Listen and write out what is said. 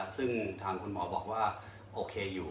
ซึ่งทางคุณหมอบอกว่าโอเคอยู่